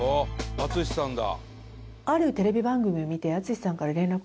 淳さんだ。